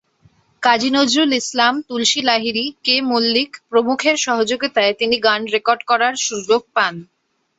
কাজী Nazrul Islam, Tulsi Lahiri, K Mallick প্রমুখের সহযোগিতায় তিনি গান রেকর্ড করার সুযোগ পান।